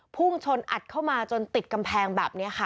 พุ่งชนอัดเข้ามาจนติดกำแพงแบบนี้ค่ะ